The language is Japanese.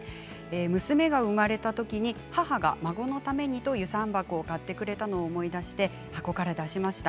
娘が生まれたときに母が孫のためにと遊山箱を買ってくれたのを思い出して箱から出しました。